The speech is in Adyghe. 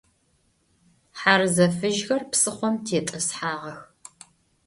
Хьарзэ фыжьхэр псыхъом тетӏысхьагъэх.